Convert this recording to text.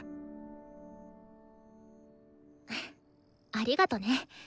ありがとね。